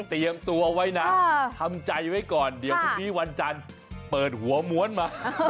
ตัวไว้นะทำใจไว้ก่อนเดี๋ยวพรุ่งนี้วันจันทร์เปิดหัวม้วนมา